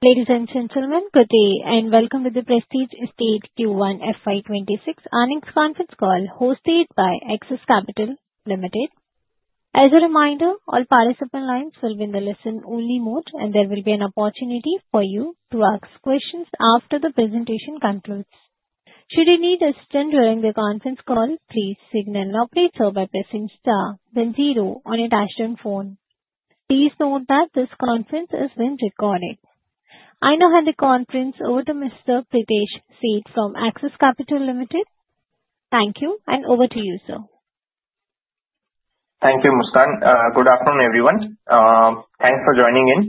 Ladies and gentlemen, good day and welcome to the Prestige Estates Q1 FY 2026 earnings conference call hosted by Axis Capital Limited. As a reminder, all participant lines will be in the listen-only mode, and there will be an opportunity for you to ask questions after the presentation concludes. Should you need assistance during the conference call, please signal the operator by pressing star then zero on your touch-tone phone. Please note that this conference is being recorded. I now hand the conference over to Mr. Pritesh Sheth from Axis Capital Limited. Thank you, and over to you, sir. Thank you, Muskan. Good afternoon, everyone. Thanks for joining in.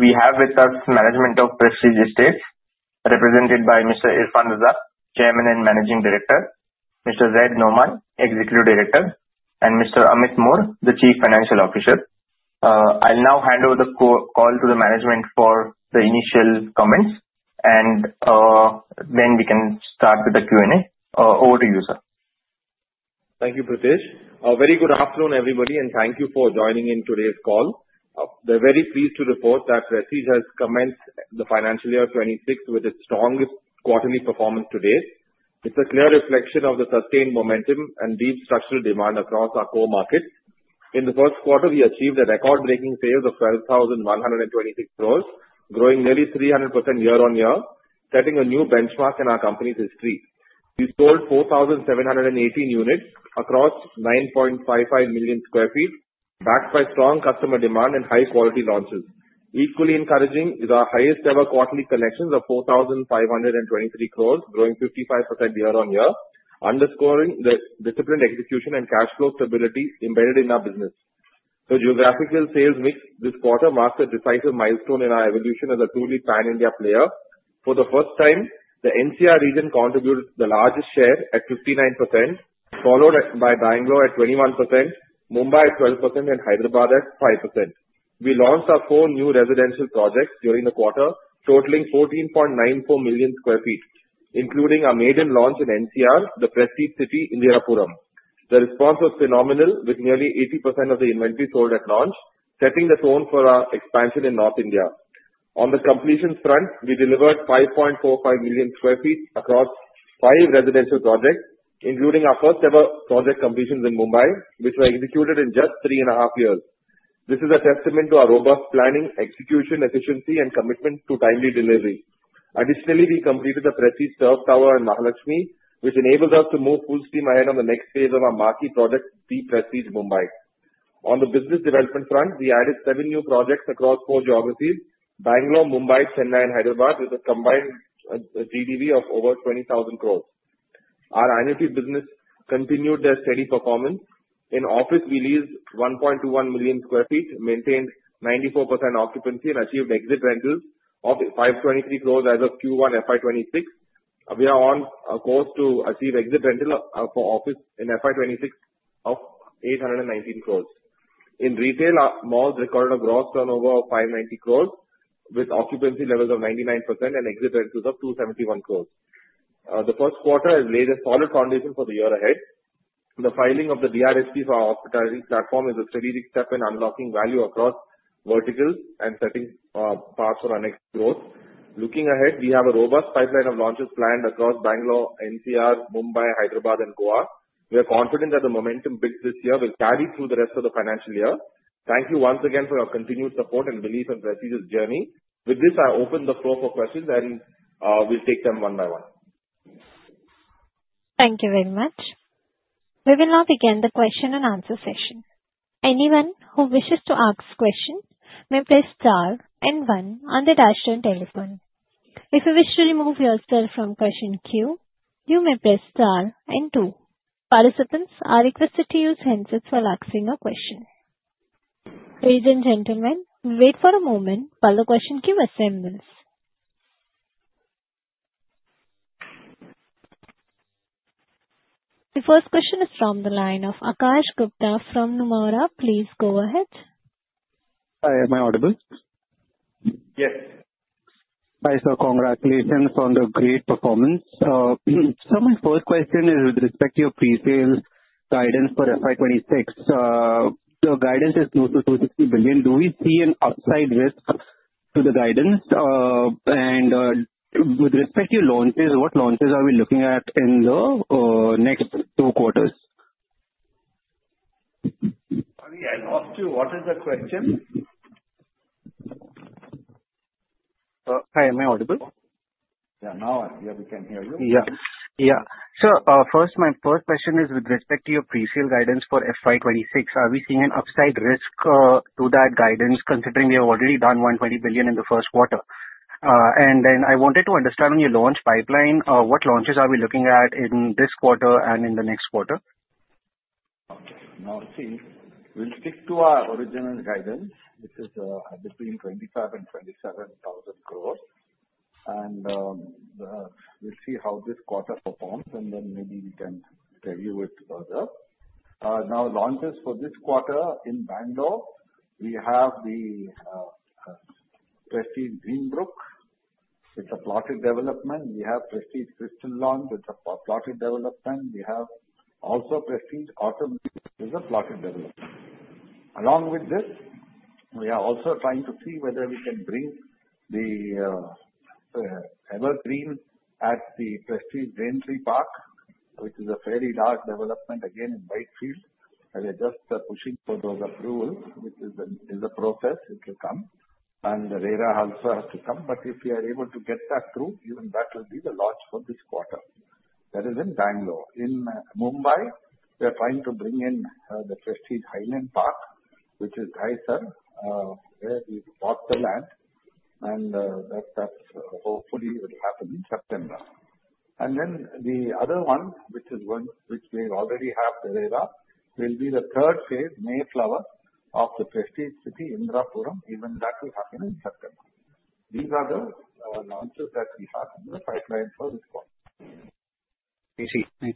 We have with us the management of Prestige Estates, represented by Mr. Irfan Razack, Chairman and Managing Director, Mr. Zaid Sadiq, Executive Director, and Mr. Amit Mor, the Chief Financial Officer. I'll now hand over the call to the management for the initial comments, and then we can start with the Q&A. Over to you, sir. Thank you, Pritesh. A very good afternoon, everybody, and thank you for joining in today's call. We're very pleased to report that Prestige has commenced the financial year 2026 with its strongest quarterly performance to date. It's a clear reflection of the sustained momentum and deep structural demand across our core markets. In the first quarter, we achieved a record-breaking sales of 12,126 crores, growing nearly 300% year-on-year, setting a new benchmark in our company's history. We sold 4,718 units across 9.55 million sq ft, backed by strong customer demand and high-quality launches. Equally encouraging is our highest-ever quarterly collections of 4,523 crores, growing 55% year-on-year, underscoring the disciplined execution and cash flow stability embedded in our business. The geographical sales mix this quarter marks a decisive milestone in our evolution as a truly pan-India player. For the first time, the NCR region contributed the largest share at 59%, followed by Bangalore at 21%, Mumbai at 12%, and Hyderabad at 5%. We launched our four new residential projects during the quarter, totaling 14.94 million sq ft, including a maiden launch in NCR, The Prestige City Indirapuram. The response was phenomenal, with nearly 80% of the inventory sold at launch, setting the tone for our expansion in North India. On the completion front, we delivered 5.45 million sq ft across five residential projects, including our first-ever project completions in Mumbai, which were executed in just 3.5 years. This is a testament to our robust planning, execution, efficiency, and commitment to timely delivery. Additionally, we completed the Prestige Liberty Towers in Mahalakshmi, which enables us to move full steam ahead on the next phase of our marquee project, The Prestige City Mumbai. On the business development front, we added seven new projects across four geographies: Bangalore, Mumbai, Chennai, and Hyderabad, with a combined GDV of over 20,000 crores. Our annual business continued their steady performance. In office, we leased 1.21 million sq ft, maintained 94% occupancy, and achieved exit rentals of 523 crores as of Q1 FY 2026. We are on course to achieve exit rentals for office in FY 2026 of 819 crores. In retail, our malls recorded a gross turnover of 590 crores, with occupancy levels of 99% and exit rentals of 271 crores. The first quarter has laid a solid foundation for the year ahead. The filing of the DRHP for our hospitality platform is a strategic step in unlocking value across verticals and setting paths for our next growth. Looking ahead, we have a robust pipeline of launches planned across Bangalore, NCR, Mumbai, Hyderabad, and Goa. We are confident that the momentum built this year will carry through the rest of the financial year. Thank you once again for your continued support and belief in Prestige's journey. With this, I open the floor for questions, and we'll take them one by one. Thank you very much. We will now begin the question-and-answer session. Anyone who wishes to ask a question may press star and one on the dashboard telephone. If you wish to remove yourself from question queue, you may press star and two. Participants are requested to use handsets while asking a question. Ladies and gentlemen, we'll wait for a moment while the question queue assembles. The first question is from the line of Akash Gupta from Nomura. Please go ahead. Am I audible? Yes. Hi, sir. Congratulations on the great performance. So my first question is with respect to your pre-sales guidance for FY 2026. The guidance is close to 260 billion. Do we see an upside risk to the guidance? And with respect to your launches, what launches are we looking at in the next two quarters? I'll ask you what is the question. Hi, am I audible? Yeah, now I'm here. We can hear you. Yeah. So first, my first question is with respect to your pre-sales guidance for FY 2026. Are we seeing an upside risk to that guidance, considering we have already done 120 billion in the first quarter? And then I wanted to understand on your launch pipeline, what launches are we looking at in this quarter and in the next quarter? Okay. Now, we'll stick to our original guidance, which is between 25,000 and 27,000 crores, and we'll see how this quarter performs, and then maybe we can review it further. Now, launches for this quarter in Bangalore, we have the Prestige Glenbrook with a plotted development. We have Prestige Crystal Lawns with a plotted development. We have also Prestige Autumn Leaves with a plotted development. Along with this, we are also trying to see whether we can bring the Evergreen at the Prestige Raintree Park, which is a fairly large development, again, in Whitefield. We're just pushing for those approvals, which is in the process. It will come, and RERA also has to come, but if we are able to get that through, even that will be the launch for this quarter. That is in Bangalore. In Mumbai, we are trying to bring in the Prestige Highland Park, which is Dahisar, where we bought the land. And that, hopefully, will happen in September. And then the other one, which we already have, RERA, will be the third phase, Mayflower, of the Prestige City, Indirapuram. Even that will happen in September. These are the launches that we have in the pipeline for this quarter. I see. I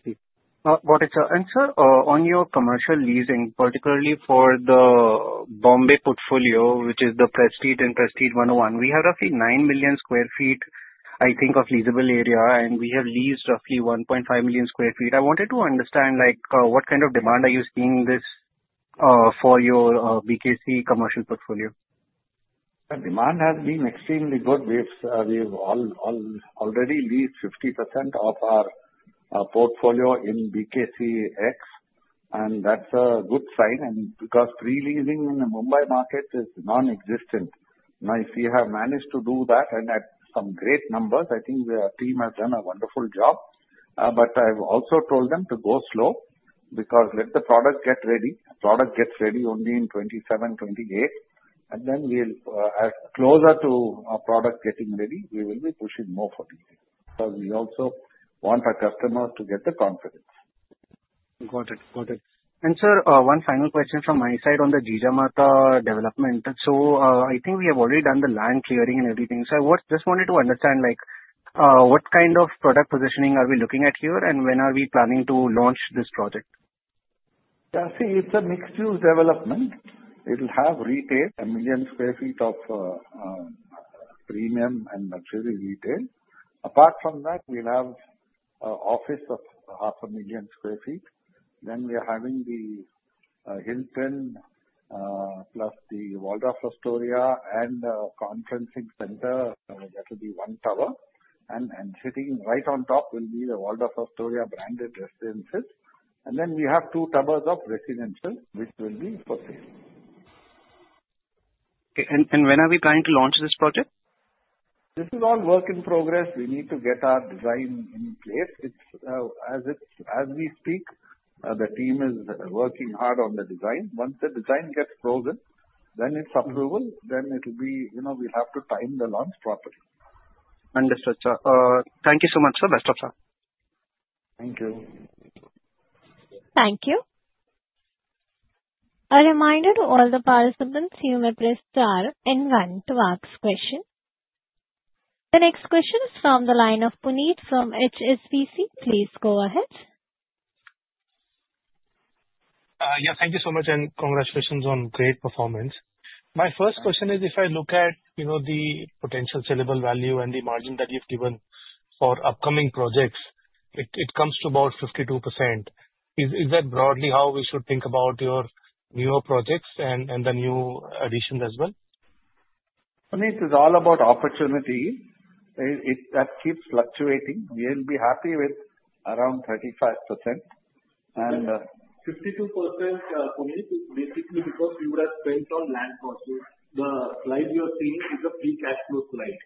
see. But, sir, on your commercial leasing, particularly for the Bombay portfolio, which is the Prestige and Prestige 101, we have roughly 9 million sq ft, I think, of leasable area, and we have leased roughly 1.5 million sq ft. I wanted to understand what kind of demand are you seeing for your BKC commercial portfolio? The demand has been extremely good. We've already leased 50% of our portfolio in BKC, and that's a good sign, and because pre-leasing in the Mumbai market is nonexistent, now if we have managed to do that and at some great numbers, I think the team has done a wonderful job, but I've also told them to go slow because let the product get ready. The product gets ready only in 2027, 2028, and then closer to our product getting ready, we will be pushing more for leasing because we also want our customers to get the confidence. Got it. Got it. And, sir, one final question from my side on the Jijamata development. So I think we have already done the land clearing and everything. So I just wanted to understand what kind of product positioning are we looking at here, and when are we planning to launch this project? Yeah. See, it's a mixed-use development. It'll have retail, 1 million sq ft of premium and luxury retail. Apart from that, we'll have an office of 500,000 sq ft. Then we are having the Hilton plus the Waldorf Astoria and a conferencing center. That will be one tower. And sitting right on top will be the Waldorf Astoria branded residences. And then we have two towers of residential, which will be for sale. Okay. And when are we planning to launch this project? This is all work in progress. We need to get our design in place. As we speak, the team is working hard on the design. Once the design gets frozen, then it's approval. Then we'll have to time the launch properly. Understood, sir. Thank you so much, sir. Best of luck. Thank you. Thank you. A reminder to all the participants, you may press star and one to ask questions. The next question is from the line of Puneet from HSBC. Please go ahead. Yeah. Thank you so much, and congratulations on great performance. My first question is, if I look at the potential sellable value and the margin that you've given for upcoming projects, it comes to about 52%. Is that broadly how we should think about your newer projects and the new additions as well? Puneet, it's all about opportunity. That keeps fluctuating. We'll be happy with around 35%. And 52%, Puneet, is basically because we would have spent on land costs. The slide you're seeing is a pre-cash flow slide.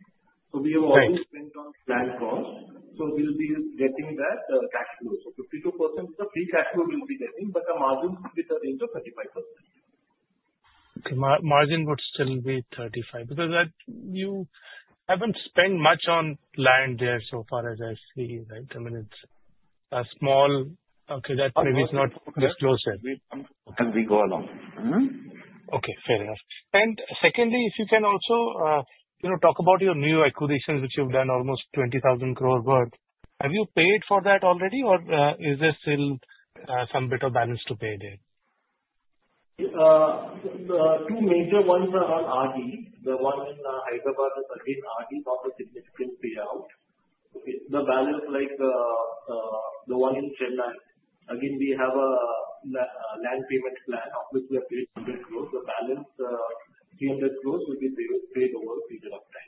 So we have already spent on land costs. So we'll be getting that cash flow. So 52% is the pre-cash flow we'll be getting, but the margin will be the range of 35%. Okay. Margin would still be 35% because you haven't spent much on land there so far as I see, right? I mean, it's a small okay, that maybe is not disclosure. And we go along. Okay. Fair enough. And secondly, if you can also talk about your new acquisitions, which you've done almost 20,000 crore worth. Have you paid for that already, or is there still some bit of balance to pay there? The two major ones are on RD. The one in Hyderabad is again RD, not a significant payout. The balance, like the one in Chennai, again, we have a land payment plan. Obviously, we have paid 300 crores. The balance, 300 crores, will be paid over a period of time.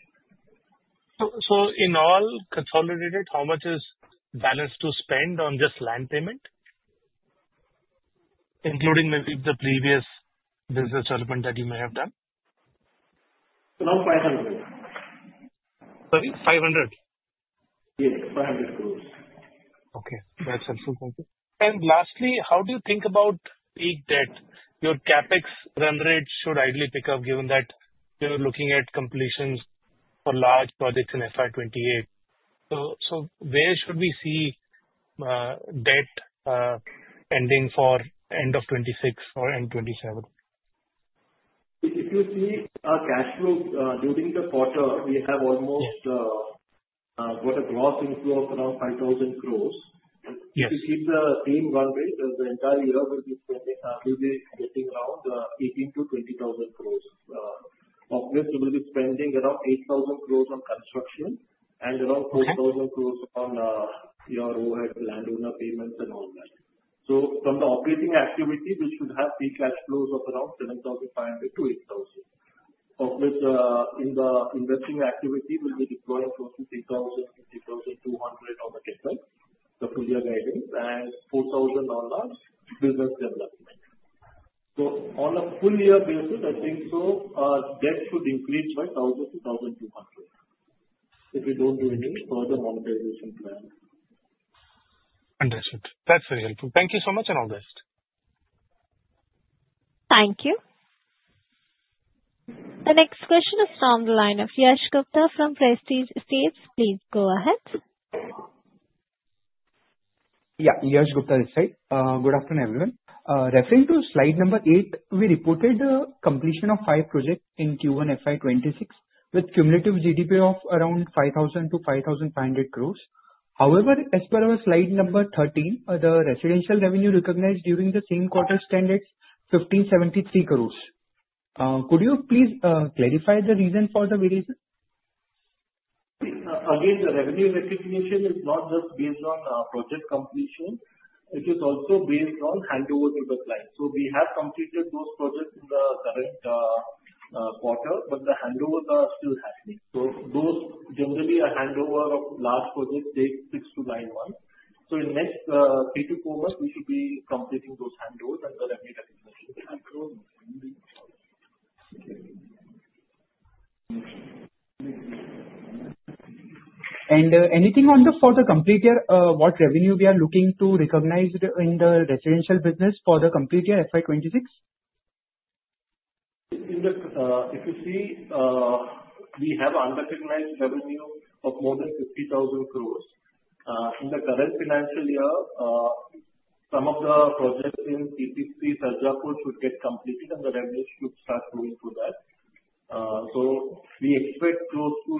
So in all consolidated, how much is balance to spend on just land payment, including maybe the previous business development that you may have done? Around 500 crores. Sorry? 500 crores? Yes. 500 crores. Okay. That's helpful. Thank you. And lastly, how do you think about peak debt? Your CapEx run rate should ideally pick up, given that you're looking at completions for large projects in FY 2028. So where should we see debt ending for end of 2026 or end 2027? If you see our cash flow during the quarter, we have almost got a gross inflow of around 5,000 crores. If you keep the same run rate, the entire year will be spending around 18,000-20,000 crores. Obviously, we'll be spending around 8,000 crores on construction and around 4,000 crores on your overhead landowner payments and all that. So from the operating activity, we should have peak cash flows of around 7,500-8,000. Obviously, in the investing activity, we'll be deploying close to 3,000-3,200 on the capital, the full-year guidance, and 4,000 on business development. So on a full-year basis, I think so, our debt should increase by 1,000-1,200 if we don't do any further monetization plan. Understood. That's very helpful. Thank you so much and all the best. Thank you. The next question is from the line of Yash Gupta from Prestige Estates. Please go ahead. Yeah. Yash Gupta this side. Good afternoon, everyone. Referring to slide number 8, we reported the completion of five projects in Q1 FY 2026 with cumulative GDV of around 5,000-5,500 crores. However, as per our slide number 13, the residential revenue recognized during the same quarter stands at 1,573 crores. Could you please clarify the reason for the variation? Again, the revenue recognition is not just based on project completion. It is also based on handover to the client. So we have completed those projects in the current quarter, but the handovers are still happening. So those generally are handovers of large projects that take six to nine months. So in the next three to four months, we should be completing those handovers and the revenue recognition. Anything for the complete year, what revenue we are looking to recognize in the residential business for the complete year FY 2026? If you see, we have unrecognized revenue of more than 50,000 crores. In the current financial year, some of the projects in TPC, Sarjapur should get completed, and the revenue should start going for that. So we expect close to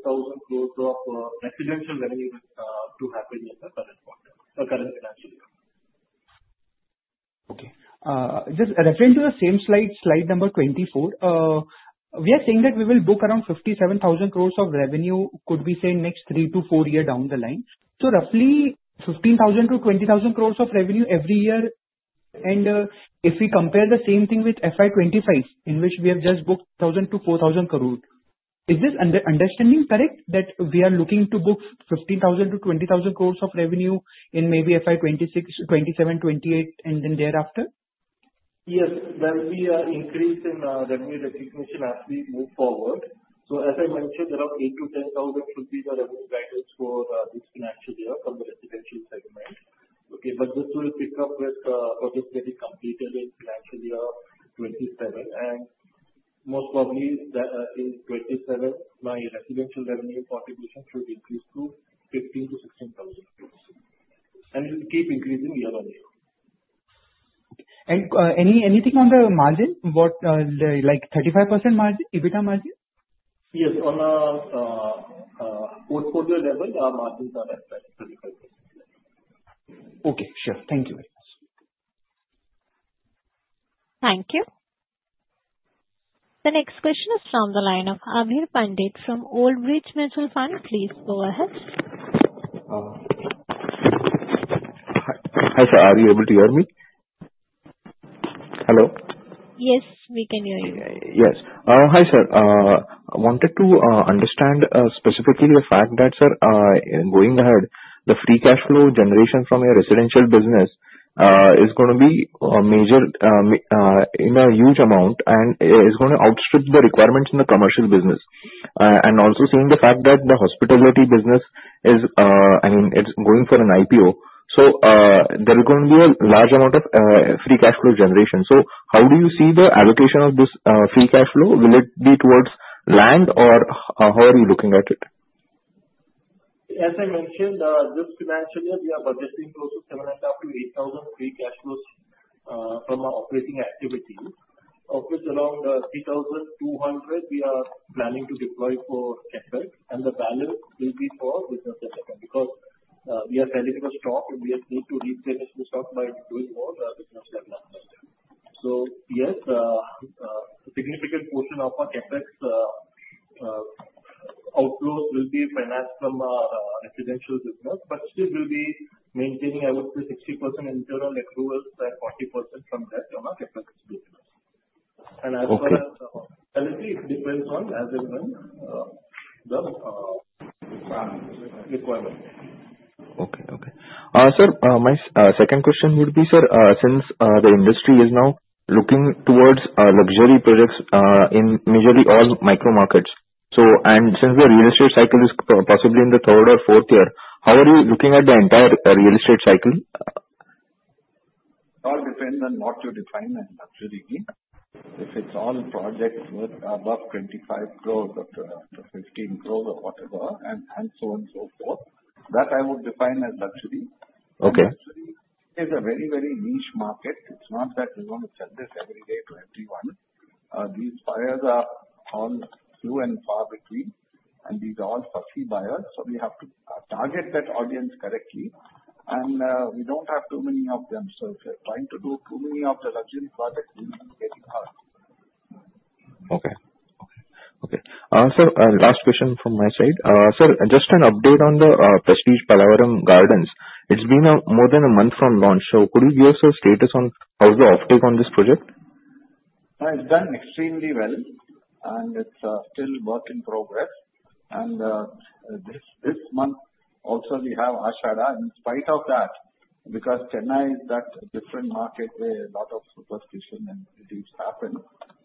8,000-10,0000 crores of residential revenue to happen in the current financial year. Okay. Just referring to the same slide, slide number 24, we are saying that we will book around 57,000 crores of revenue, could be said next three to four years down the line. So roughly 15,000- 20,000 crores of revenue every year. And if we compare the same thing with FY 2025, in which we have just booked 1,000-4,000 crore, is this understanding correct that we are looking to book 15,000- 20,000 crores of revenue in maybe FY 2026, 2027, 2028, and then thereafter? Yes. There will be an increase in revenue recognition as we move forward. So as I mentioned, around 8,000- 10,000 should be the revenue guidance for this financial year from the residential segment. Okay. But this will pick up with projects getting completed in financial year 2027. And most probably in 2027, my residential revenue contribution should increase to 15,000- 16,000 crores. And it will keep increasing year on year. Anything on the margin? Like 35% margin, EBITDA margin? Yes. On a portfolio level, our margins are at 35%. Okay. Sure. Thank you very much. Thank you. The next question is from the line of Abhir Pandit from Old Bridge Mutual Fund. Please go ahead. Hi, sir. Are you able to hear me? Hello? Yes. We can hear you. Yes. Hi, sir. I wanted to understand specifically the fact that, sir, going ahead, the free cash flow generation from your residential business is going to be a huge amount and is going to outstrip the requirements in the commercial business. And also seeing the fact that the hospitality business is, I mean, it's going for an IPO. So there is going to be a large amount of free cash flow generation. So how do you see the allocation of this free cash flow? Will it be towards land, or how are you looking at it? As I mentioned, this financial year, we are budgeting close to 7,500-8,000 free cash flows from our operating activity. Of which, around 3,200, we are planning to deploy for CapEx, and the balance will be for business development because we are selling the stock, and we need to replenish the stock by doing more business development. So yes, a significant portion of our CapEx outflows will be financed from our residential business, but still will be maintaining, I would say, 60% internal accruals and 40% from that on our CapEx business, and as far as the revenue, it depends on, as I mentioned, the requirement. Okay. Okay. Sir, my second question would be, sir, since the industry is now looking towards luxury projects in majority all micro markets, and since the real estate cycle is possibly in the third or fourth year, how are you looking at the entire real estate cycle? All depends on what you define as luxury. If it's all projects worth above 25 crores or 15 crores or whatever, and so on and so forth, that I would define as luxury. Okay. Luxury is a very, very niche market. It's not that we want to sell this every day to everyone. These buyers are all few and far between, and these are all fussy buyers, so we have to target that audience correctly, and we don't have too many of them, so if we're trying to do too many of the luxury projects, we'll be getting hurt. Sir, last question from my side. Sir, just an update on the Prestige Pallava Gardens. It's been more than a month from launch. So could you give us a status on how's the offtake on this project? It's done extremely well, and it's still a work in progress, and this month, also, we have Ashadha. In spite of that, because Chennai is that different market where a lot of superstition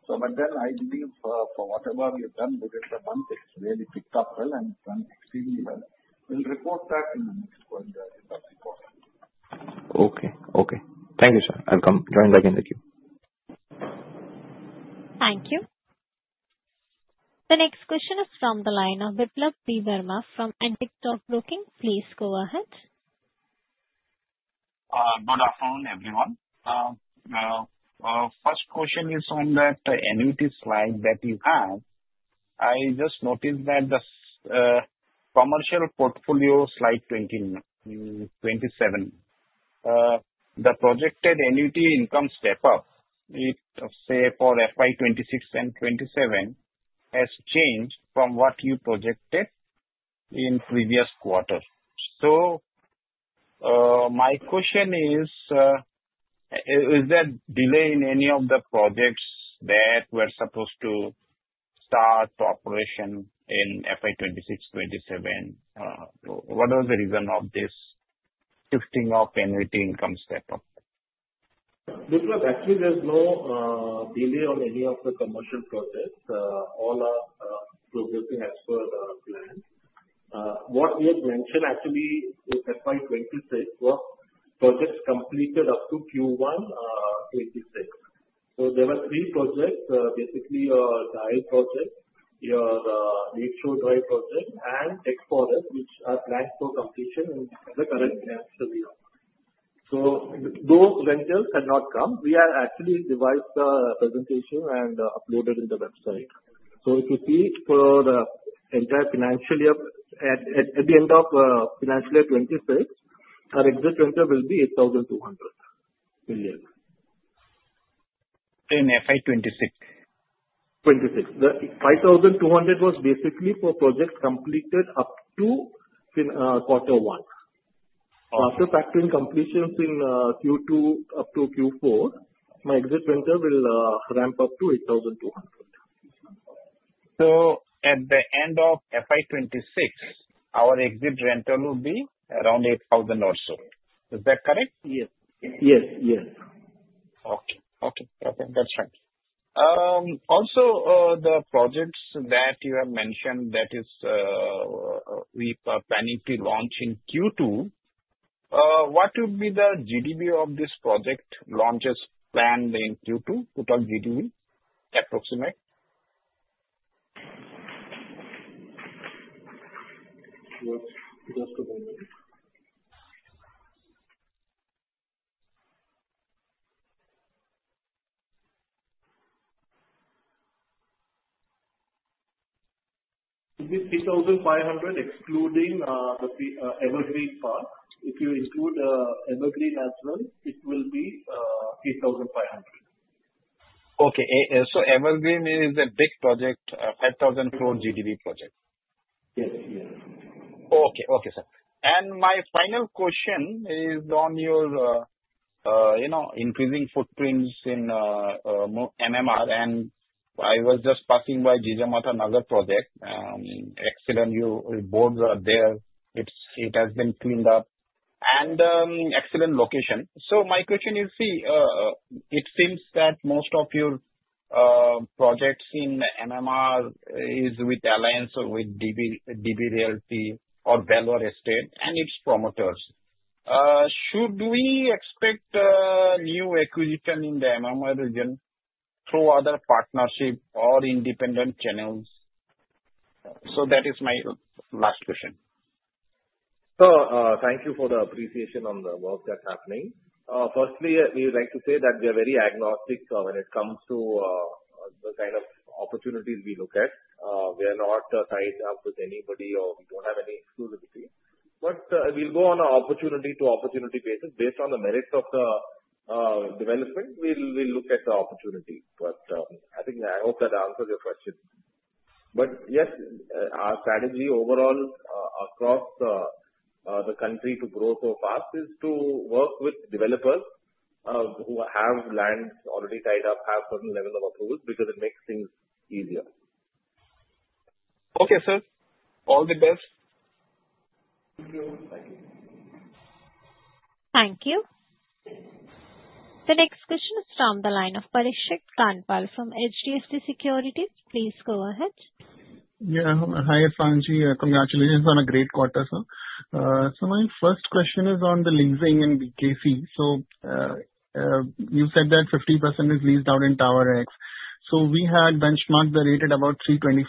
and these happen, but then I believe for whatever we have done within the month, it's really picked up well and done extremely well. We'll report back in the next quarter if that's important. Okay. Okay. Thank you, sir. I'll come join back in the queue. Thank you. The next question is from the line of Biplab Debbarma from Antique Stock Broking. Please go ahead. Good afternoon, everyone. First question is on that annuity slide that you have. I just noticed that the commercial portfolio slide 27, the projected annuity income step-up, say, for FY 2026 and 2027, has changed from what you projected in previous quarter. So my question is, is there a delay in any of the projects that were supposed to start operation in FY 2026, 2027? What was the reason of this shifting of annuity income step-up? Biplab, actually, there's no delay on any of the commercial projects. All are progressing as per plan. What we have mentioned, actually, in FY 2026 were projects completed up to Q1 2026. So there were three projects, basically your DIAL project, your Neeladri project, and Tech Forest, which are planned for completion in the current financial year. So those ventures had not come. We have actually revised the presentation and uploaded it to the website. So if you see for the entire financial year, at the end of financial year 2026, our exit venture will be 8,200 billion. In FY 2026? 2026. The 5,200 was basically for projects completed up to quarter one. After factoring completions in Q2 up to Q4, my exit venture will ramp up to 8,200. So at the end of FY 2026, our exit rental will be around 8,000 or so. Is that correct? Yes. Yes. Yes. Okay. That's fine. Also, the projects that you have mentioned that we are planning to launch in Q2, what would be the GDV of this project launch as planned in Q2, total GDV, approximate? Just a moment. It will be INR 3,500 excluding the Evergreen Park. If you include Evergreen as well, it will be 8,500. Okay. So Evergreen is a big project, 5,000 crore GDV project. Yes. Yes. Okay. Okay, sir. And my final question is on your increasing footprints in MMR, and I was just passing by Jijamata Nagar project. Excellent boards are there. It has been cleaned up and excellent location. So my question is, see, it seems that most of your projects in MMR is with Alliance or with DB Realty or Valor Estate and its promoters. Should we expect new acquisition in the MMR region through other partnerships or independent channels? So that is my last question. Thank you for the appreciation on the work that's happening. Firstly, we would like to say that we are very agnostic when it comes to the kind of opportunities we look at. We are not tied up with anybody, or we don't have any exclusivity. But we'll go on an opportunity-to-opportunity basis. Based on the merits of the development, we'll look at the opportunity. But I think I hope that answers your question. But yes, our strategy overall across the country to grow so fast is to work with developers who have lands already tied up, have a certain level of approval, because it makes things easier. Okay, sir. All the best. Thank you. Thank you. The next question is from the line of Parikshit Kandpal from HDFC Securities. Please go ahead. Yeah. Hi, Irfan. Congratulations on a great quarter, sir. So my first question is on the leasing and BKC. So you said that 50% is leased out in Tower X. So we had benchmarked the rate at about 325.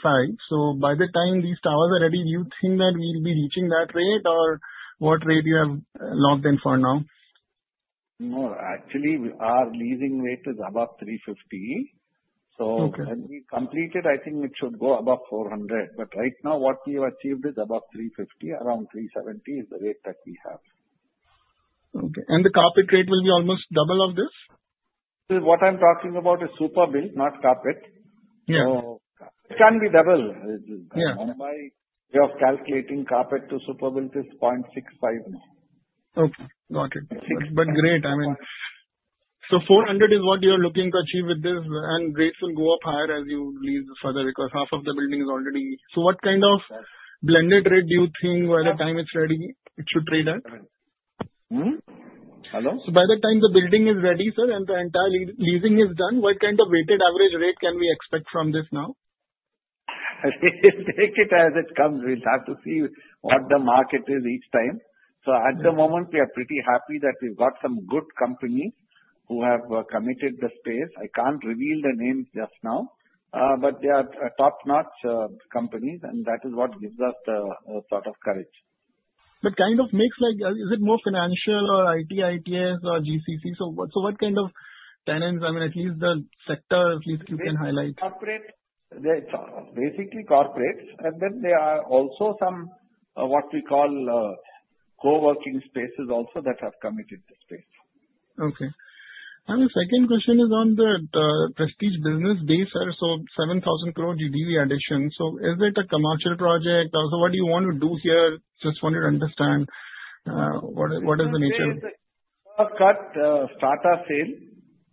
So by the time these towers are ready, do you think that we'll be reaching that rate, or what rate you have locked in for now? No. Actually, our leasing rate is above 350. So when we complete it, I think it should go above 400. But right now, what we have achieved is above 350, around 370 is the rate that we have. Okay. And the carpet rate will be almost double of this? What I'm talking about is superbuilt, not carpet. So it can be double. My way of calculating carpet to superbuilt is 0.65 now. Okay. Got it. But great. I mean, so 400 is what you're looking to achieve with this, and rates will go up higher as you lease further because half of the building is already. So what kind of blended rate do you think by the time it's ready, it should trade at? Hello? So by the time the building is ready, sir, and the entire leasing is done, what kind of weighted average rate can we expect from this now? Take it as it comes. We'll have to see what the market is each time. So at the moment, we are pretty happy that we've got some good companies who have committed the space. I can't reveal the names just now, but they are top-notch companies, and that is what gives us the sort of courage. But kind of makes like, is it more financial or IT/ITES or GCC? So what kind of tenants? I mean, at least the sector, at least you can highlight. Corporate. It's basically corporates. And then there are also some what we call co-working spaces also that have committed the space. Okay. And the second question is on the Prestige Business Bay, sir. So 7,000 crore GDV addition. So is it a commercial project? Also, what do you want to do here? Just wanted to understand what is the nature of it. We just got a starter sale.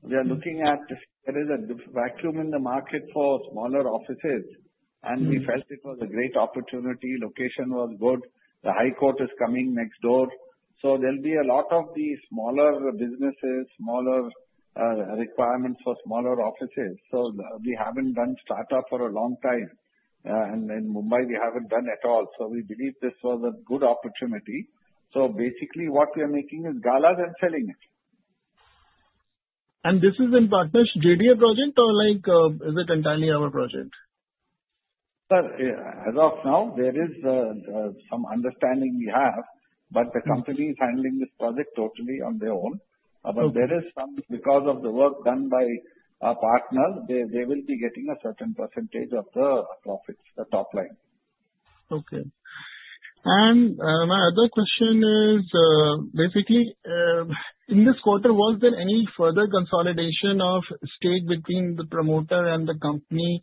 We are looking at, there is a vacuum in the market for smaller offices, and we felt it was a great opportunity. Location was good. The High Court is coming next door, so there'll be a lot of these smaller businesses, smaller requirements for smaller offices. So we haven't done startup for a long time, and in Mumbai, we haven't done at all, so we believe this was a good opportunity, so basically, what we are making is galas and selling it. This is in partnership, JDA project, or is it entirely our project? As of now, there is some understanding we have, but the company is handling this project totally on their own. But there is some, because of the work done by our partner, they will be getting a certain percentage of the profits, the top line. Okay. And my other question is, basically, in this quarter, was there any further consolidation of stake between the promoter and the company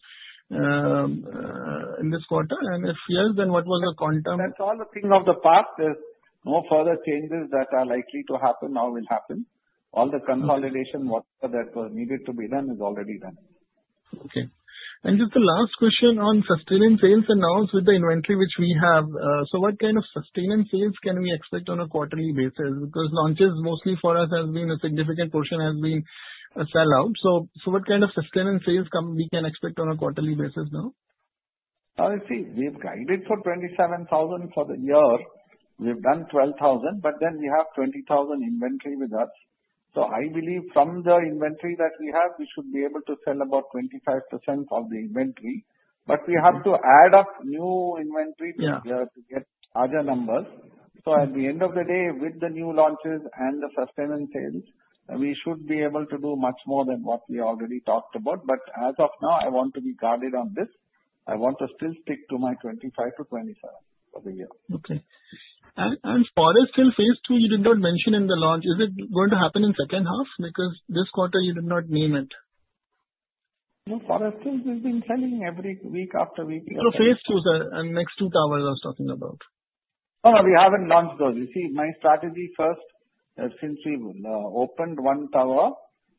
in this quarter? And if yes, then what was the content? That's all a thing of the past. There's no further changes that are likely to happen now will happen. All the consolidation, whatever that was needed to be done, is already done. Okay. And just the last question on sustenance sales and now with the inventory which we have. So what kind of sustenance sales can we expect on a quarterly basis? Because launches mostly for us has been a significant portion has been sell-out. So what kind of sustenance sales can we expect on a quarterly basis now? I think we have guided for 27,000 for the year. We have done 12,000, but then we have 20,000 inventory with us. So I believe from the inventory that we have, we should be able to sell about 25% of the inventory. But we have to add up new inventory to get other numbers. So at the end of the day, with the new launches and the sustenance sales, we should be able to do much more than what we already talked about. But as of now, I want to be guarded on this. I want to still stick to my 25,000-27,000 for the year. Okay. And Forest Hills Phase II, you did not mention in the launch. Is it going to happen in second half? Because this quarter, you did not name it. No, Forest Hills, we've been selling every week after week. So Phase II is the next two towers I was talking about. Oh, we haven't launched those. You see, my strategy first, since we opened one tower,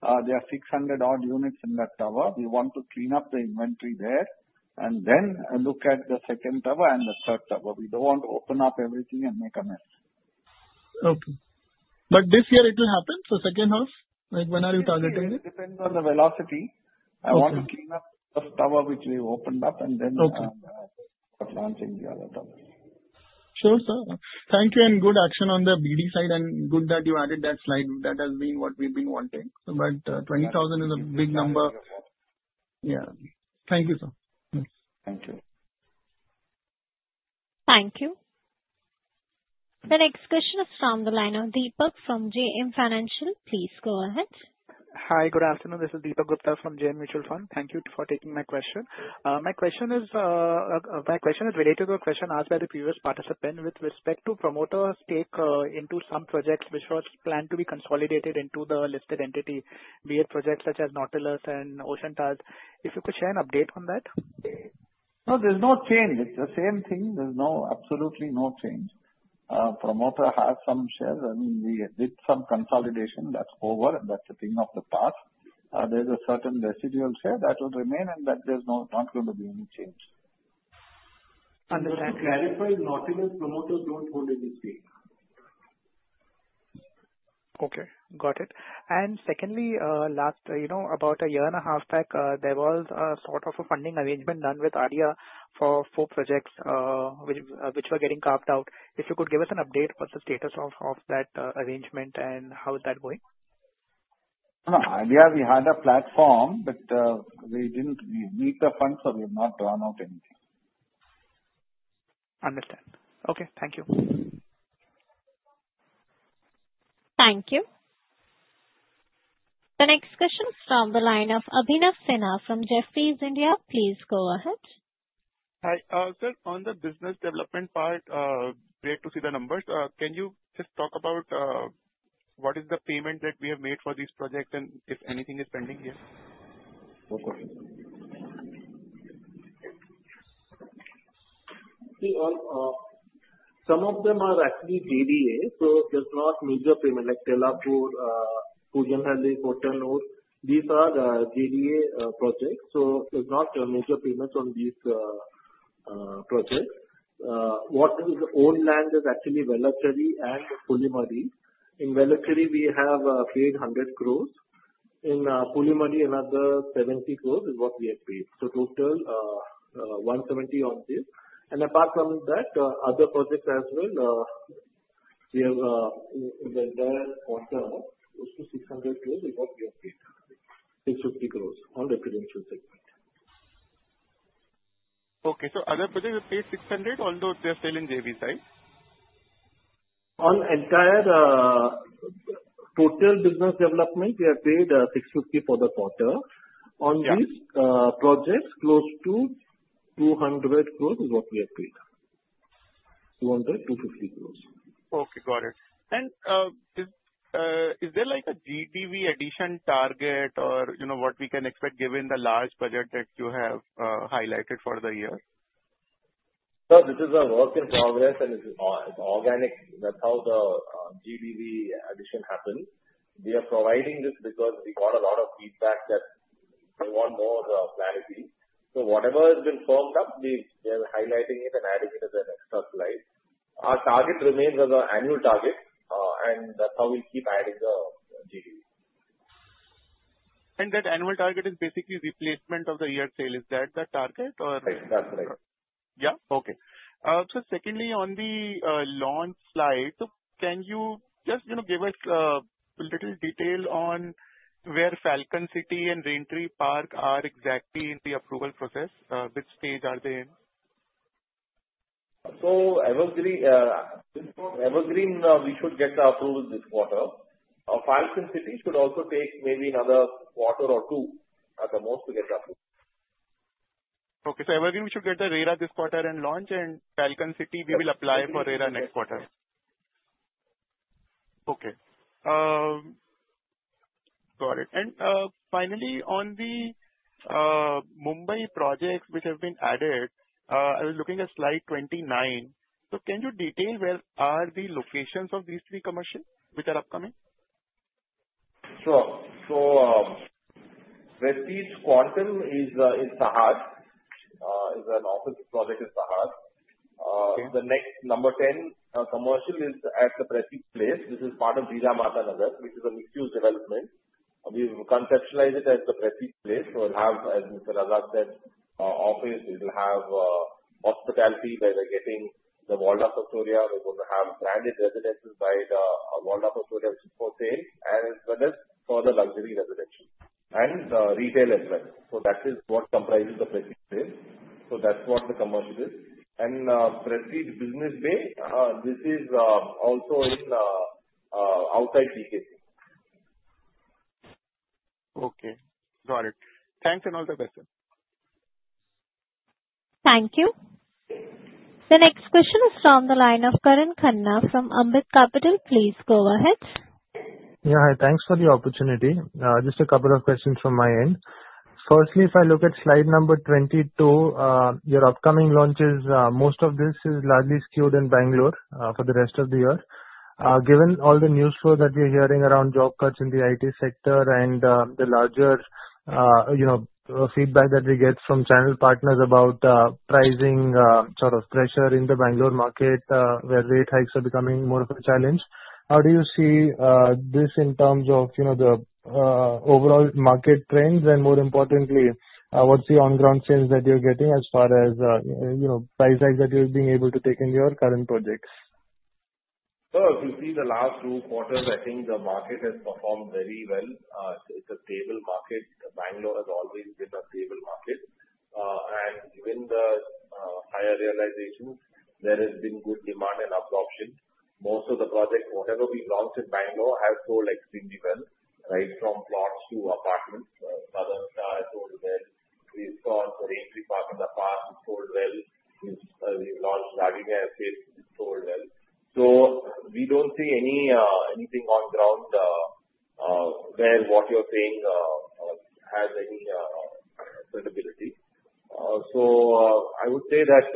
there are 600-odd units in that tower. We want to clean up the inventory there and then look at the second tower and the third tower. We don't want to open up everything and make a mess. Okay. But this year, it will happen? So second half, when are you targeting it? It depends on the velocity. I want to clean up the first tower which we've opened up and then start launching the other towers. Sure, sir. Thank you. And good action on the BD side, and good that you added that slide. That has been what we've been wanting. But 20,000 is a big number. Yeah. Thank you, sir. Thank you. Thank you. The next question is from the line of Deepak from JM Financial. Please go ahead. Hi. Good afternoon. This is Deepak Gupta from JM Financial. Thank you for taking my question. My question is related to a question asked by the previous participant with respect to promoter stake into some projects which was planned to be consolidated into the listed entity, be it projects such as Nautilus and Ocean Towers. If you could share an update on that. No, there's no change. It's the same thing. There's absolutely no change. Promoter has some shares. I mean, we did some consolidation. That's over. That's a thing of the past. There's a certain residual share that will remain, and there's not going to be any change. Understood. To clarify, Nautilus promoters don't hold any stake. Okay. Got it. And secondly, last about a year and a half back, there was sort of a funding arrangement done with ADIA for four projects which were getting carved out. If you could give us an update on the status of that arrangement and how is that going? No, ADIA, we had a platform, but we didn't meet the fund, so we have not drawn out anything. Understood. Okay. Thank you. Thank you. The next question is from the line of Abhinav Sinha from Jefferies India. Please go ahead. Hi, sir. On the business development part, great to see the numbers. Can you just talk about what is the payment that we have made for these projects and if anything is pending here? Okay. Some of them are actually JDA, so there's not major payment like Tellapur, Pujanahalli, Kothanur. These are JDA projects. So there's not major payments on these projects. What is the own land is actually Velachery and Pulimamidi. In Velachery, we have paid 100 crores. In Pulimamidi, another 70 crores is what we have paid. So total 170 crores on this. And apart from that, other projects as well, we have Velachery and Kothanur, those are 600 crores is what we have paid, 650 crores on residential segment. Okay, so other projects have paid 600, although they're still in JB, right? On entire total business development, we have paid 650 crores for the quarter. On these projects, close to 200 crores is what we have paid. 200-250 crores. Okay. Got it. And is there a GDV addition target or what we can expect given the large budget that you have highlighted for the year? No, this is a work in progress, and it's organic. That's how the GDV addition happens. We are providing this because we got a lot of feedback that they want more clarity. So whatever has been formed up, we are highlighting it and adding it as an extra slide. Our target remains as an annual target, and that's how we keep adding the GDV. That annual target is basically replacement of the year sale. Is that the target or? Right. That's right. Yeah? Okay. So secondly, on the launch slide, can you just give us a little detail on where Falcon City and Raintree Park are exactly in the approval process? Which stage are they in? So Evergreen, we should get approval this quarter. Falcon City should also take maybe another quarter or two at the most to get approval. Okay. So Evergreen, we should get the RERA this quarter and launch, and Falcon City, we will apply for RERA next quarter. Okay. Got it. And finally, on the Mumbai projects which have been added, I was looking at slide 29. So can you detail where are the locations of these three commercials which are upcoming? Sure, so Prestige Quantum is in Sahar. It's an office project in Sahar. The next number 10 commercial is at the Prestige Place. This is part of Jijamata Nagar, which is a mixed-use development. We've conceptualized it as the Prestige Place. So it'll have, as Mr. Razack said, office. It'll have hospitality where they're getting the Waldorf Astoria. They're going to have branded residences by Waldorf Astoria for sale, as well as further luxury residential and retail as well. So that is what comprises the Prestige Place. So that's what the commercial is, and Prestige Business Bay, this is also outside BKC. Okay. Got it. Thanks and all the best, sir. Thank you. The next question is from the line of Karan Khanna from Ambit Capital. Please go ahead. Yeah. Hi. Thanks for the opportunity. Just a couple of questions from my end. Firstly, if I look at slide number 22, your upcoming launches, most of this is largely skewed in Bangalore for the rest of the year. Given all the news flow that we are hearing around job cuts in the IT sector and the larger feedback that we get from channel partners about pricing sort of pressure in the Bangalore market where rate hikes are becoming more of a challenge, how do you see this in terms of the overall market trends? And more importantly, what's the on-ground sales that you're getting as far as price tags that you've been able to take in your current projects? Sure. If you see the last two quarters, I think the market has performed very well. It's a stable market. Bangalore has always been a stable market. And given the higher realizations, there has been good demand and absorption. Most of the projects, whatever we've launched in Bangalore, have sold extremely well, right from plots to apartments. Southern Star has sold well. We've got Raintree Park in the past. It's sold well. We've launched Gardenia Estate. It's sold well. So we don't see anything on ground where what you're saying has any credibility. So I would say that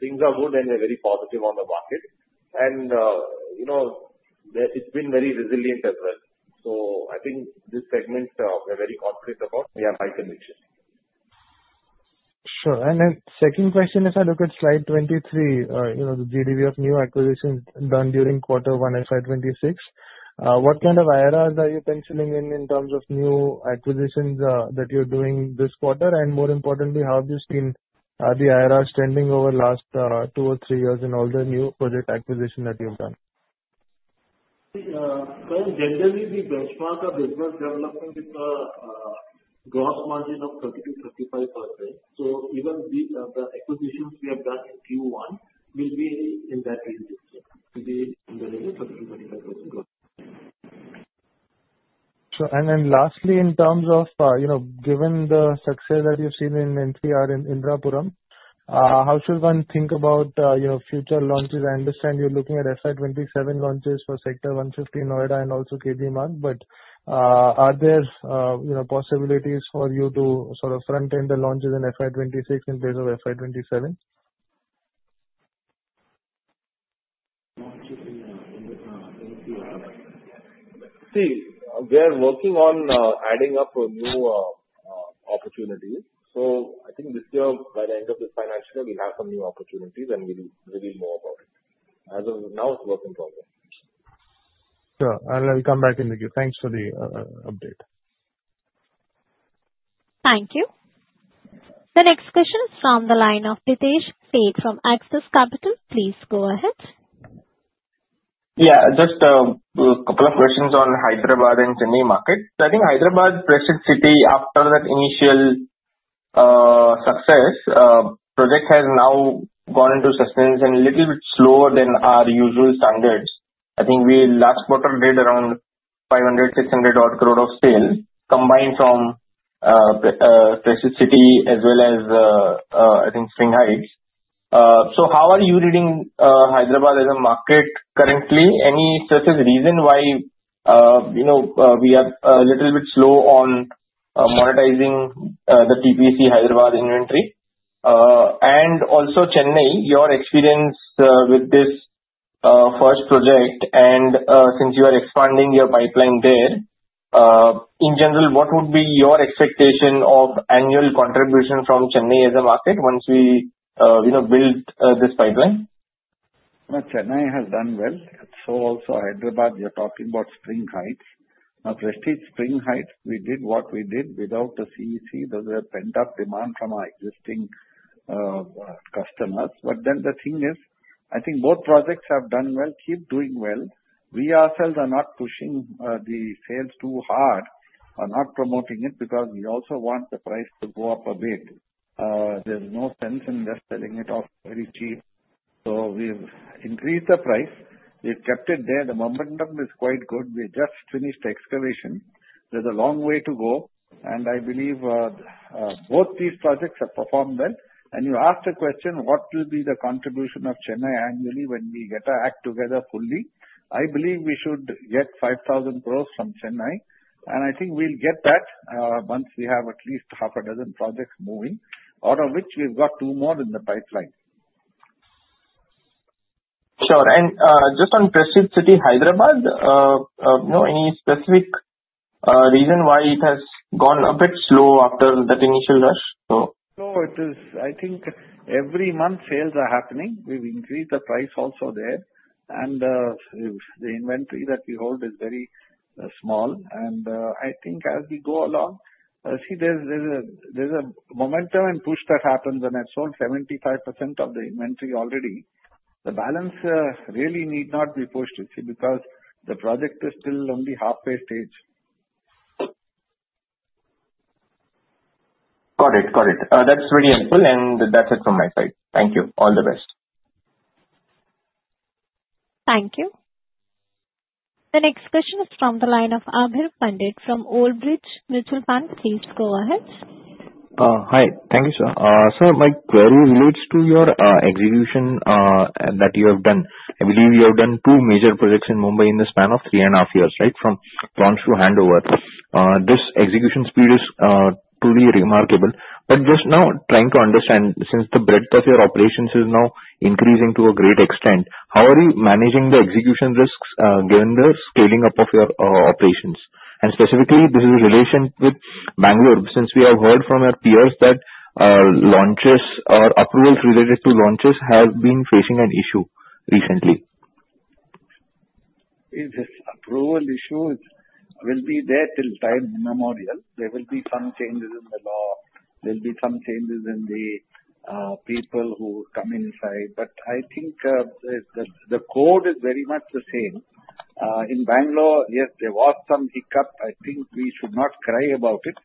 things are good, and we're very positive on the market. And it's been very resilient as well. So I think this segment, we're very confident about. Yeah, my conviction. Sure. And then second question, if I look at slide 23, the GDV of new acquisitions done during quarter one and slide 26, what kind of IRRs are you penciling in in terms of new acquisitions that you're doing this quarter? And more importantly, how have you seen the IRRs trending over the last two or three years in all the new project acquisitions that you've done? Generally, the benchmark of business development is a gross margin of 30%-35%. Even the acquisitions we have done in Q1 will be in that range, to be in the range of 30%-35% gross. Sure. And then lastly, in terms of given the success that you've seen in Indirapuram, how should one think about future launches? I understand you're looking at FY 2027 launches for Sector 150, Noida, and also KB Marg. But are there possibilities for you to sort of front-end the launches in FY 2026 in place of FY 2027? See, we're working on adding up new opportunities. So I think this year, by the end of this financial year, we'll have some new opportunities, and we'll reveal more about it. As of now, it's a work in progress. Sure. I'll come back in with you. Thanks for the update. Thank you. The next question is from the line of Pritesh Sheth from Axis Capital. Please go ahead. Yeah. Just a couple of questions on Hyderabad and Chennai market. So I think Hyderabad, Prestige City, after that initial success, the project has now gone into sustenance and a little bit slower than our usual standards. I think we last quarter did around 500-600 crore of sales combined from Prestige City as well as, I think, Spring Heights. So how are you reading Hyderabad as a market currently? Any such as reason why we are a little bit slow on monetizing the TPC Hyderabad inventory? And also, Chennai, your experience with this first project and since you are expanding your pipeline there, in general, what would be your expectation of annual contribution from Chennai as a market once we build this pipeline? Chennai has done well. Also, Hyderabad, you're talking about Spring Heights. Prestige Spring Heights, we did what we did without the CEC. There was a pent-up demand from our existing customers. But then the thing is, I think both projects have done well, keep doing well. We ourselves are not pushing the sales too hard or not promoting it because we also want the price to go up a bit. There's no sense in just selling it off very cheap. So we've increased the price. We've kept it there. The momentum is quite good. We just finished excavation. There's a long way to go. And I believe both these projects have performed well. And you asked a question, what will be the contribution of Chennai annually when we get our act together fully? I believe we should get 5,000 crores from Chennai. I think we'll get that once we have at least half a dozen projects moving, out of which we've got two more in the pipeline. Sure. And just on Prestige City, Hyderabad, any specific reason why it has gone a bit slow after that initial rush? No, it is. I think every month sales are happening. We've increased the price also there. And the inventory that we hold is very small. And I think as we go along, see, there's a momentum and push that happens when I've sold 75% of the inventory already. The balance really need not be pushed because the project is still only halfway stage. Got it. Got it. That's really helpful. And that's it from my side. Thank you. All the best. Thank you. The next question is from the line of Abhir Pandit from Old Bridge Mutual Fund. Please go ahead. Hi. Thank you, sir. Sir, my query relates to your execution that you have done. I believe you have done two major projects in Mumbai in the span of 3.5 years, right, from launch to handover. This execution speed is truly remarkable. But just now, trying to understand, since the breadth of your operations is now increasing to a great extent, how are you managing the execution risks given the scaling up of your operations? And specifically, this is in relation with Bangalore, since we have heard from our peers that launches or approvals related to launches have been facing an issue recently. This approval issue will be there till time immemorial. There will be some changes in the law. There'll be some changes in the people who come inside. But I think the code is very much the same. In Bangalore, yes, there was some hiccup. I think we should not cry about it.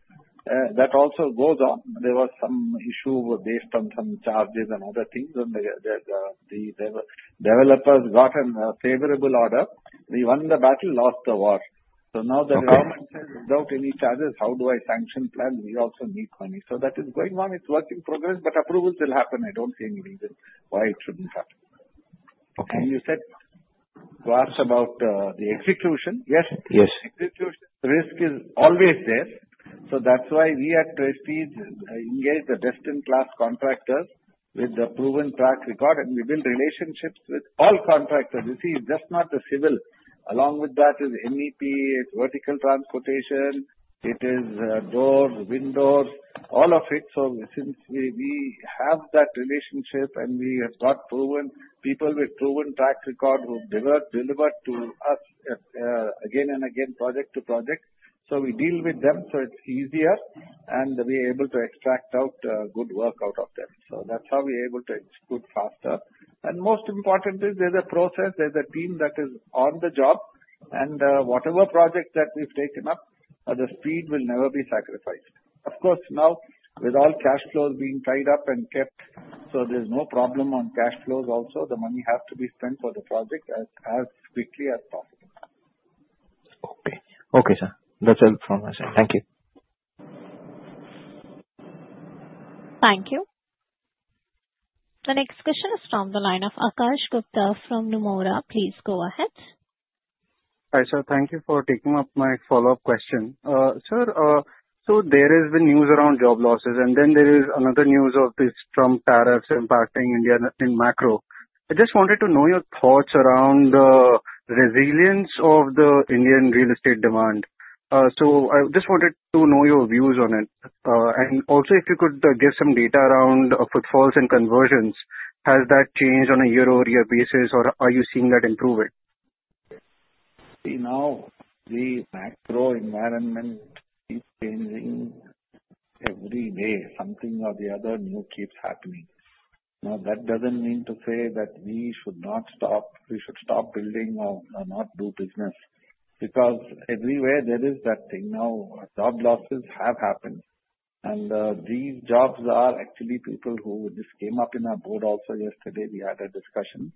That also goes on. There was some issue based on some charges and other things. And the developers got a favorable order. We won the battle, lost the war. So now the government says, "Without any charges, how do I sanction plans? We also need money." So that is going on. It's a work in progress, but approvals will happen. I don't see any reason why it shouldn't happen. And you said you asked about the execution. Yes? Yes. Execution risk is always there. So that's why we at Prestige engage the best-in-class contractors with the proven track record, and we build relationships with all contractors. You see, it's just not the civil. Along with that is MEP. It's vertical transportation. It is doors, windows, all of it. So since we have that relationship and we have got proven people with proven track record who deliver to us again and again, project to project, so we deal with them. So it's easier, and we're able to extract out good work out of them. So that's how we're able to execute faster. And most importantly, there's a process. There's a team that is on the job. And whatever project that we've taken up, the speed will never be sacrificed. Of course, now with all cash flows being tied up and kept, so there's no problem on cash flows also. The money has to be spent for the project as quickly as possible. Okay. Okay, sir. That's all from my side. Thank you. Thank you. The next question is from the line of Akash Gupta from Nomura. Please go ahead. Hi, sir. Thank you for taking up my follow-up question. Sir, so there has been news around job losses, and then there is another news of these Trump tariffs impacting India in macro. I just wanted to know your thoughts around the resilience of the Indian real estate demand. So I just wanted to know your views on it. And also, if you could give some data around footfalls and conversions, has that changed on a year-over-year basis, or are you seeing that improving? See, now the macro environment is changing every day. Something or the other new keeps happening. Now, that doesn't mean to say that we should not stop. We should stop building or not do business because everywhere there is that thing. Now, job losses have happened, and these jobs are actually people who just came up in our board also yesterday. We had a discussion,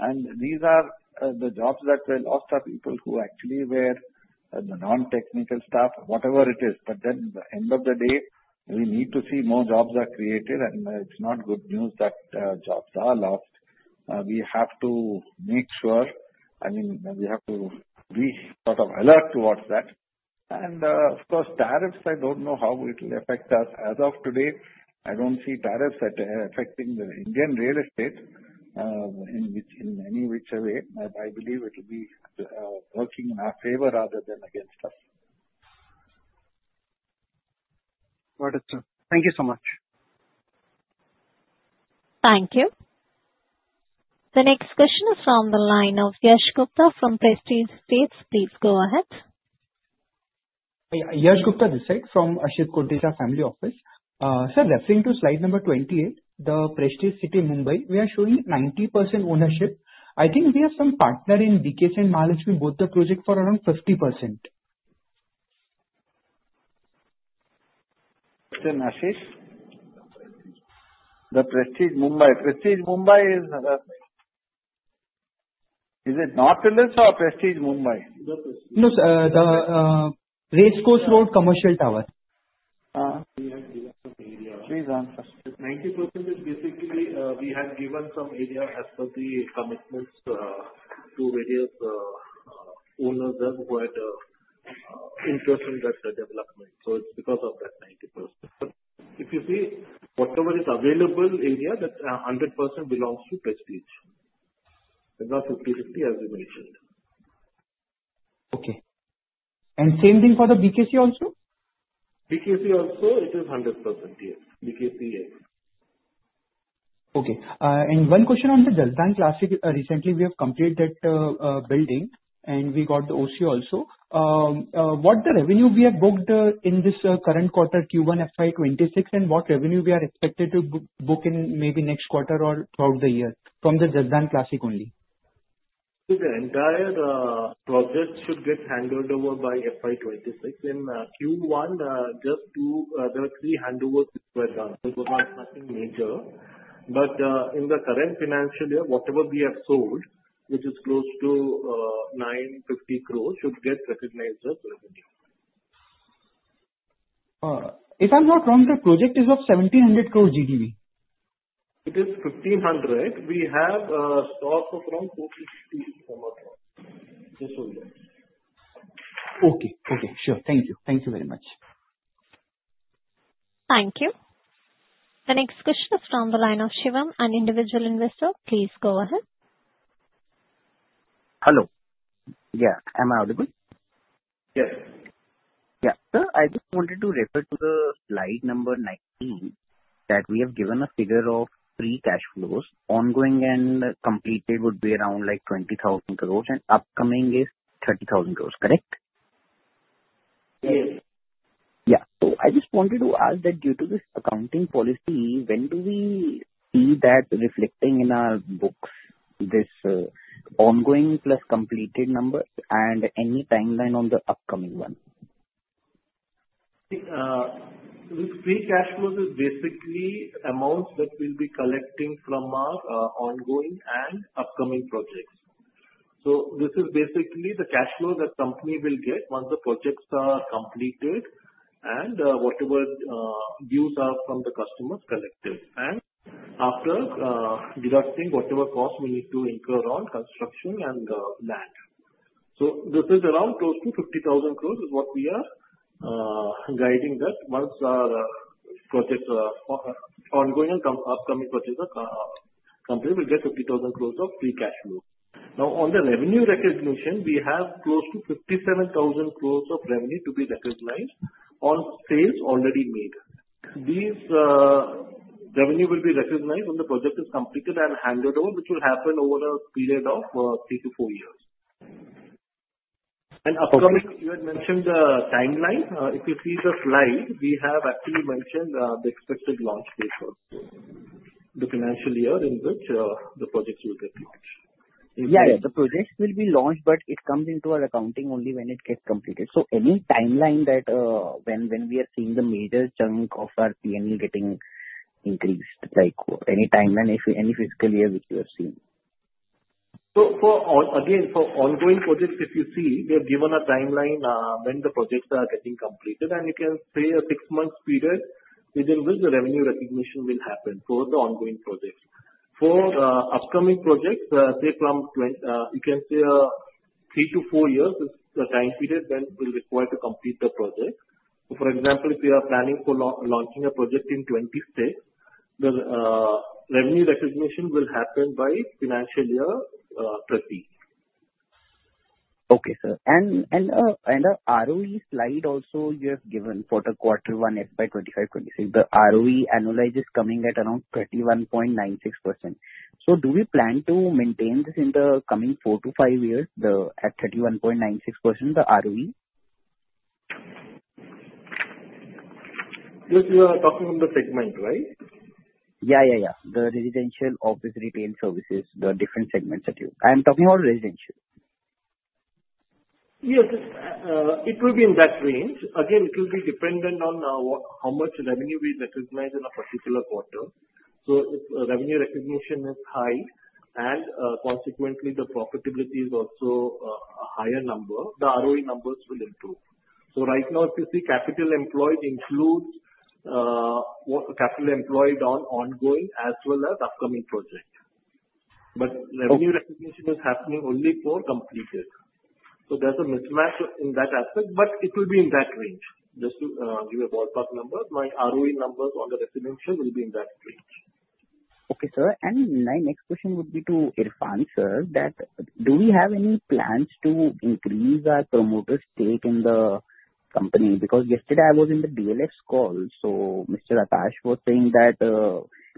and these are the jobs that were lost are people who actually were the non-technical staff, whatever it is, but then at the end of the day, we need to see more jobs are created, and it's not good news that jobs are lost. We have to make sure I mean, we have to be sort of alert towards that, and of course, tariffs, I don't know how it will affect us. As of today, I don't see tariffs affecting the Indian real estate, in any which way. I believe it will be working in our favor rather than against us. Got it, sir. Thank you so much. Thank you. The next question is from the line of Yash Gupta from Prestige Estates. Please go ahead. Yash Gupta this side from Asit Koticha Family Office. Sir, referring to slide number 28, The Prestige City Mumbai, we are showing 90% ownership. I think we have some partner in BKC and Mahalakshmi both the project for around 50%. Then, As for the Prestige Mumbai, Prestige Mumbai, is it Nautilus or Prestige Mumbai? No, sir. Racecourse Road, Commercial Tower. Please answer. 90% is basically we have given some area as per the commitments to various owners who had interest in that development. So it's because of that 90%. If you see, whatever is available area, that 100% belongs to Prestige. It's not 50/50, as you mentioned. Okay. And same thing for the BKC also? BKC also, it is 100%. Yes. BKC, yes. Okay. And one question on the Jasdan Classic. Recently, we have completed that building, and we got the OC also. What the revenue we have booked in this current quarter, Q1, FY 2026, and what revenue we are expected to book in maybe next quarter or throughout the year from the Jasdan Classic only? So the entire project should get handed over by FY 2026. In Q1, just two or three handovers were done. It was not nothing major. But in the current financial year, whatever we have sold, which is close to 950 crore, should get recognized as revenue. If I'm not wrong, the project is worth 1,700 crore GDV. It is 1,500. We have a stock of around 40,000 crore to sell. Okay. Sure. Thank you. Thank you very much. Thank you. The next question is from the line of Shivam, an individual investor. Please go ahead. Hello. Yeah. Am I audible? Yes. Yeah. Sir, I just wanted to refer to the slide number 19 that we have given a figure of free cash flows. Ongoing and completed would be around like 20,000 crore, and upcoming is 30,000 crore. Correct? Yes. Yeah. So I just wanted to ask that due to this accounting policy, when do we see that reflecting in our books, this ongoing plus completed number, and any timeline on the upcoming one? These three cash flows are basically amounts that we'll be collecting from our ongoing and upcoming projects. So this is basically the cash flow that company will get once the projects are completed and whatever dues are from the customers collected. And after deducting whatever costs we need to incur on construction and land. So this is around close to 50,000 crore is what we are guiding that once our projects are ongoing and upcoming projects, the company will get 50,000 crore of free cash flow. Now, on the revenue recognition, we have close to 57,000 crore of revenue to be recognized on sales already made. These revenue will be recognized when the project is completed and handed over, which will happen over a period of three to four years. And upcoming, you had mentioned the timeline. If you see the slide, we have actually mentioned the expected launch date also, the financial year in which the projects will get launched. Yeah. The projects will be launched, but it comes into our accounting only when it gets completed. So any timeline that when we are seeing the major chunk of our P&E getting increased, like any timeline, any fiscal year which you have seen? Again, for ongoing projects, if you see, we have given a timeline when the projects are getting completed, and you can see a six-month period within which the revenue recognition will happen for the ongoing projects. For upcoming projects, say from you can see three to four years is the time period when we'll require to complete the project. For example, if you are planning for launching a project in 2026, the revenue recognition will happen by Financial Year 30. Okay, sir. And the ROE slide also you have given for the quarter one FY 2025/2026, the ROE annualized is coming at around 31.96%. So do we plan to maintain this in the coming four to five years, the 31.96%, the ROE? Yes. You are talking from the segment, right? The residential, office, retail, services, the different segments that I am talking about residential. Yes. It will be in that range. Again, it will be dependent on how much revenue we recognize in a particular quarter. So if revenue recognition is high and consequently the profitability is also a higher number, the ROE numbers will improve. So right now, if you see capital employed includes capital employed on ongoing as well as upcoming project. But revenue recognition is happening only for completed. So there's a mismatch in that aspect, but it will be in that range. Just to give you a ballpark number, my ROE numbers on the residential will be in that range. Okay, sir. And my next question would be to Irfan, sir, that do we have any plans to increase our promoter stake in the company? Because yesterday, I was in the DLX call. So Mr. Akash was saying that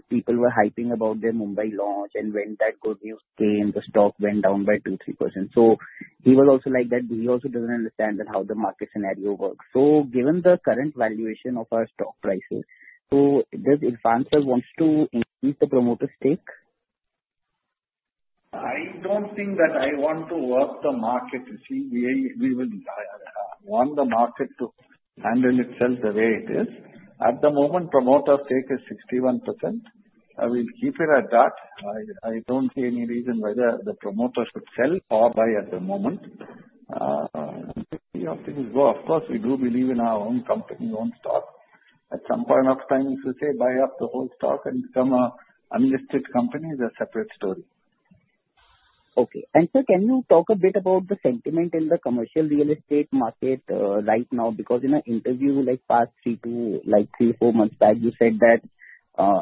people were hyping about their Mumbai launch, and when that good news came, the stock went down by 2%-3%. So he was also like that. He also doesn't understand how the market scenario works. So given the current valuation of our stock prices, so does Irfan, sir, want to increase the promoter stake? I don't think that I want to work the market. You see, we will want the market to handle itself the way it is. At the moment, promoter stake is 61%. I will keep it at that. I don't see any reason why the promoter should sell or buy at the moment. You see how things go. Of course, we do believe in our own company, own stock. At some point of time, if you say buy up the whole stock and become an unlisted company, it's a separate story. Okay, and sir, can you talk a bit about the sentiment in the commercial real estate market right now? Because in an interview like past three to like three, four months back, you said that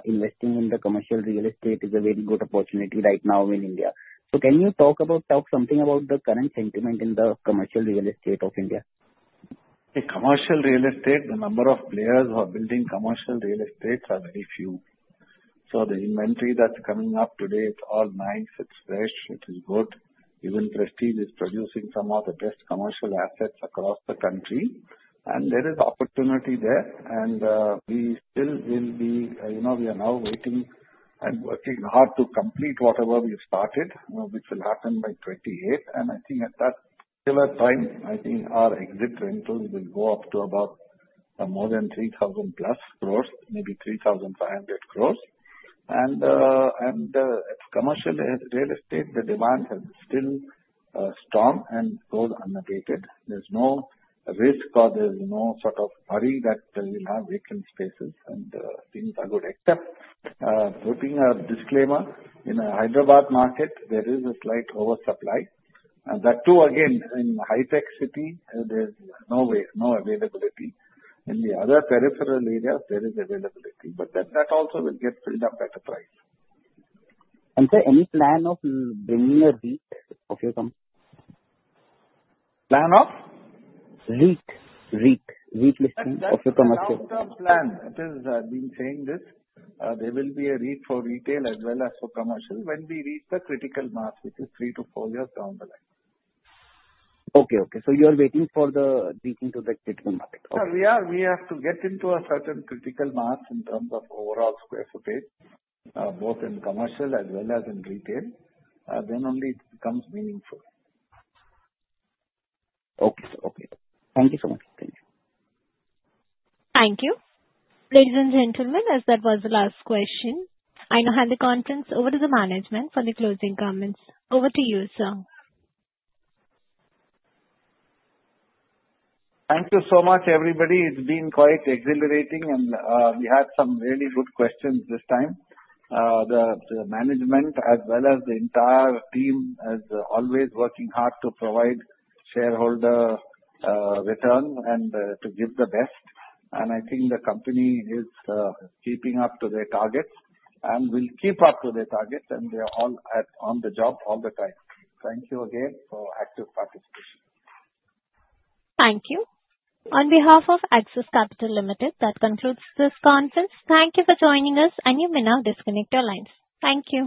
investing in the commercial real estate is a very good opportunity right now in India, so can you talk about something about the current sentiment in the commercial real estate of India? In commercial real estate, the number of players who are building commercial real estate are very few. So the inventory that's coming up today, it's all nice. It's fresh. It is good. Even Prestige is producing some of the best commercial assets across the country. And there is opportunity there. And we still will be we are now waiting and working hard to complete whatever we have started, which will happen by 2028. And I think at that particular time, I think our exit rentals will go up to about more than 3,000+ crore, maybe 3,500 crore. And commercial real estate, the demand has been still strong and goes unabated. There's no risk or there's no sort of worry that there will have vacant spaces and things are good. Except putting a disclaimer, in the Hyderabad market, there is a slight oversupply. That too, again, in the HITEC City, there's no availability. In the other peripheral areas, there is availability. But then that also will get filled up at a price. And, sir, any plan of bringing a REIT of your company? Plan of REIT listing of your commercial. That's the long-term plan. It is, I've been saying this. There will be a REIT for retail as well as for commercial when we reach the critical mark, which is three to four years down the line. Okay. So you are waiting for the REIT into the critical market. Okay. Sir, we have to get into a certain critical mark in terms of overall square footage, both in commercial as well as in retail. Then only it becomes meaningful. Okay. Okay. Thank you so much. Thank you. Thank you. Ladies and gentlemen, as that was the last question, I now hand the conference over to the management for the closing comments. Over to you, sir. Thank you so much, everybody. It's been quite exhilarating, and we had some really good questions this time. The management as well as the entire team is always working hard to provide shareholder return and to give the best. And I think the company is keeping up to their targets and will keep up to their targets. And they are all on the job all the time. Thank you again for active participation. Thank you. On behalf of Axis Capital Limited, that concludes this conference. Thank you for joining us, and you may now disconnect your lines. Thank you.